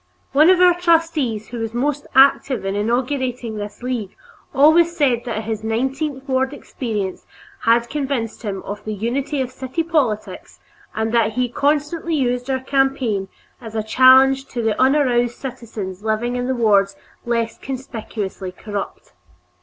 One of our trustees who was most active in inaugurating this League always said that his nineteenth ward experience had convinced him of the unity of city politics, and that he constantly used our campaign as a challenge to the unaroused citizens living in wards less conspicuously corrupt.